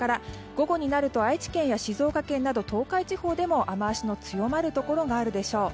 午後になると愛知県や静岡県など東海地方でも雨脚の強まるところがあるでしょう。